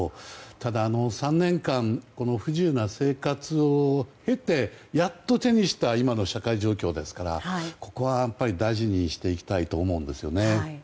ただ、３年間不自由な生活を経てやっと手にした今の社会状況ですからここは、やっぱり大事にしていきたいと思いますね。